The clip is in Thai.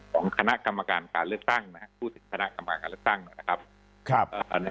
ของคณะกรรมการการเลือกสร้างนะครับผู้สินคณะกรรมการเลือกสร้างนะครับครับ